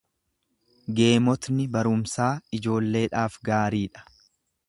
Geemotni barumsaa ijoolleedhaaf gaarii dha.